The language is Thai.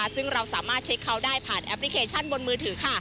ซึ่งเราสามารถเช็คเขาได้ผ่านแอปพลิเคชันบนมือถือค่ะ